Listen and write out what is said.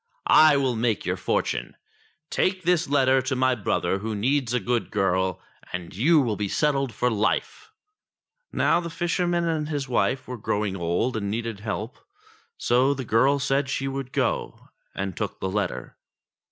"I will make your fortune. Take this letter to my brother, who needs a good girl, and you will be settled for life." THE FISH AND THE RING 327 Now the fisherman and his wife were growing old and needed help ; so the girl said she would go, and took the letter.